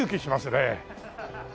ねえ。